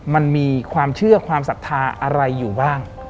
มันมีความเชื่อความศรัทธาอะไรอยู่บ้าง